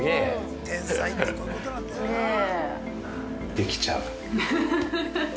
できちゃう。